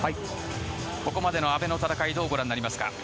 ここまでの阿部の戦いどうご覧になりますか。